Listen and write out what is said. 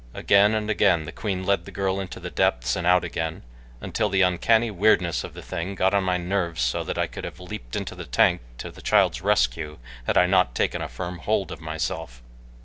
Again and again the queen led the girl into the depths and out again, until the uncanny weirdness of the thing got on my nerves so that I could have leaped into the tank to the child's rescue had I not taken a firm hold of myself.